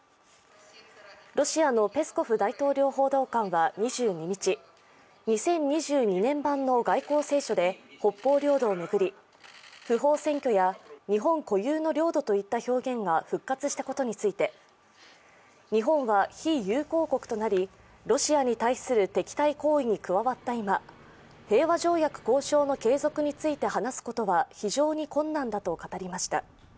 ロシアのペスコフ大統領報道官は２２日、２０２２年版の外交青書で北方領土を巡り不法占拠や、日本固有の領土といった表現が復活したことについて日本は非友好国となりロシアに対する敵対行為に加わった今、平和条約交渉の継続について話すことは非常に困難だと語りました。